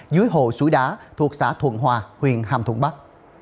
dưới hồ suối đá thuộc xã thuận hòa huyện hàm thuận bắc